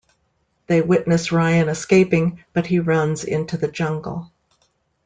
They witness Ryan escaping, but he runs into the jungle.